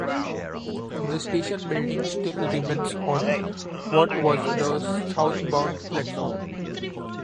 The station building still remains on what was the southbound platform.